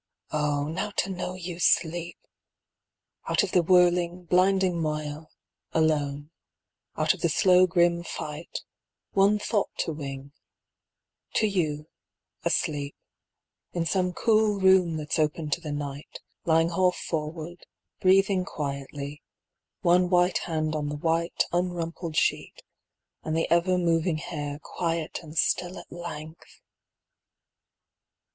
Oh, now to know you sleep! Out of the whirling blinding moil, alone, Out of the slow grim fight, One thought to wing to you, asleep, In some cool room that's open to the night Lying half forward, breathing quietly, One white hand on the white Unrumpled sheet, and the ever moving hair Quiet and still at length!